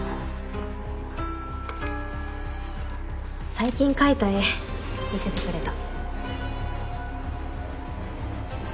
最近描いた絵見せてくれた。